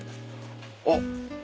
あっ！